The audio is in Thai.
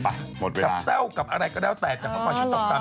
กับเต้อกับอะไรก็แล้วแต่จากเขามาช่วยต่อตาม